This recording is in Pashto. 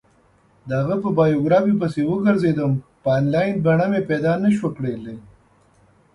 د هغه په بایوګرافي پسې وگرځېدم، په انلاین بڼه مې پیدا نه شوه کړلی.